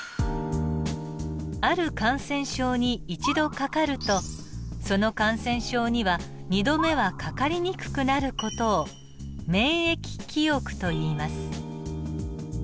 ある感染症に一度かかるとその感染症には二度目はかかりにくくなる事を免疫記憶といいます。